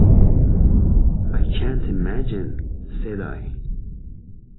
"I can't imagine," said I.